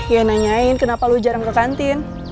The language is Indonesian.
ya nanyain kenapa lo jarang ke kantin